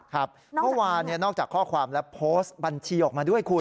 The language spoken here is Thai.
เมื่อวานนอกจากข้อความและโพสต์บัญชีออกมาด้วยคุณ